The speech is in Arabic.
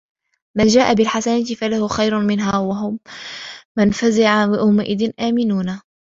مَن جاءَ بِالحَسَنَةِ فَلَهُ خَيرٌ مِنها وَهُم مِن فَزَعٍ يَومَئِذٍ آمِنونَ